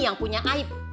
yang punya aib